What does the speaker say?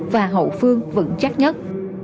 và hậu phương vững chắc nhất